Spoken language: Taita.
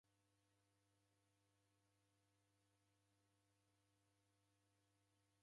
Kusekaie na bea rizamie rekunda w'aka